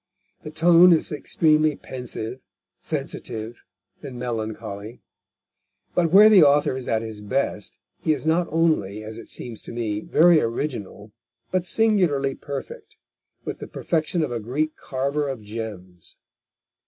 The tone is extremely pensive, sensitive, and melancholy. But where the author is at his best, he is not only, as it seems to me, very original, but singularly perfect, with the perfection of a Greek carver of gems.